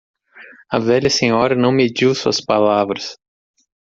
A velha senhora não mediu suas palavras.